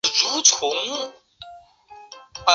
非洲金融共同体法郎最初与法国法郎挂钩。